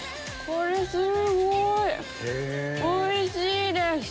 これすごい！おいしいです！